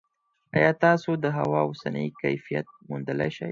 ایا تاسو د هوا اوسنی کیفیت موندلی شئ؟